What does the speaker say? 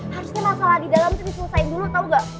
harusnya masalah di dalam itu diselesaikan dulu tau gak